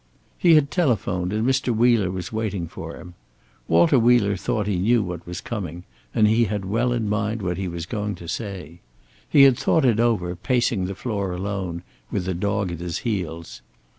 He had telephoned, and Mr. Wheeler was waiting for him. Walter Wheeler thought he knew what was coming, and he had well in mind what he was going to say. He had thought it over, pacing the floor alone, with the dog at his heels.